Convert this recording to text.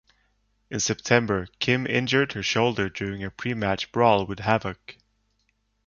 In September, Kim injured her shoulder during a pre-match brawl with Havok.